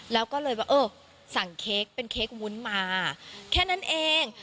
แล้วก็เลยว่าเออสั่งเค้กเป็นเค้กวุ้นมาแค่นั้นเอง